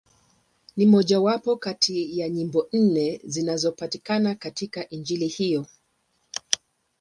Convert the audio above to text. Ni mmojawapo kati ya nyimbo nne zinazopatikana katika Injili hiyo.